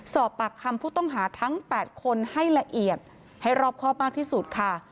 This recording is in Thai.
สอบปากคำผู้ต้องหาทั้ง๘คนให้ละเอียดให้รอบครอบมากที่สุดค่ะ